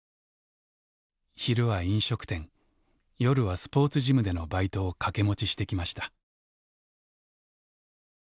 昼は飲食店夜はスポーツジムでのバイトを掛け持ちしてきました。